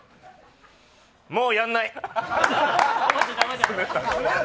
もうやんない。